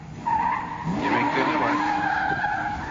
Yemekte ne var?